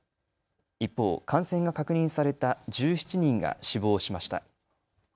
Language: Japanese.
一方、感染が確認された１７人が死亡しました。